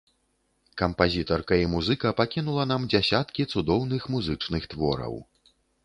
Кампазітарка і музыка пакінула нам дзясяткі цудоўных музычных твораў.